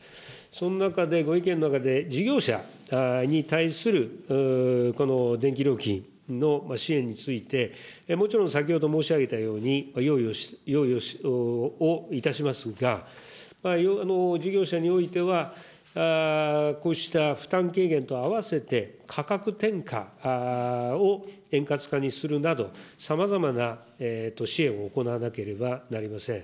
その中でご意見の中で、事業者に対するこの電気料金の支援について、もちろん先ほど申し上げたように、用意をいたしますが、事業者においては、こうした負担軽減と合わせて価格転嫁を円滑化にするなど、さまざまな支援を行わなければなりません。